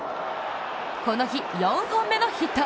この日、４本目のヒット。